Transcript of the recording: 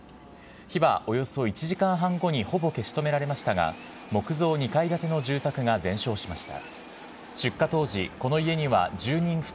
火はおよそ１時間半後にほぼ消し止められましたが、木造２階建ての住宅が全焼しました。